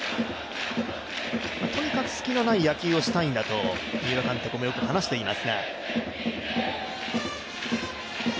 とにかく隙のない野球をしたいんだと三浦監督もよく話していますが。